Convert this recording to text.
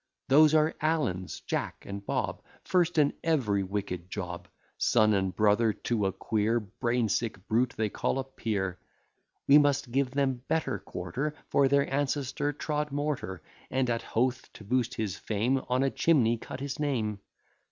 Those are Allens Jack and Bob, First in every wicked job, Son and brother to a queer Brain sick brute, they call a peer. We must give them better quarter, For their ancestor trod mortar, And at Hoath, to boast his fame, On a chimney cut his name.